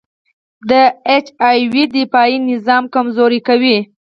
د اچ آی وي دفاعي نظام کمزوری کوي.